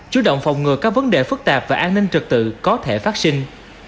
chú động phòng ngừa các vấn đề phức tạp và an ninh trật tự có thể phát sinh